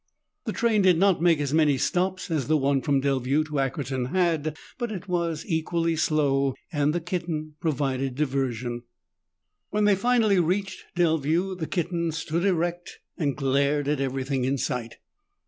The train did not make as many stops as the one from Delview to Ackerton had, but it was equally slow and the kitten provided diversion. When they finally reached Delview, the kitten stood erect and glared at everything in sight.